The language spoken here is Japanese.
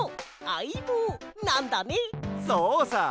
そうさ。